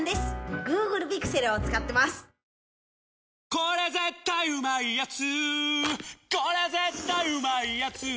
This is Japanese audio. これ絶対うまいやつ」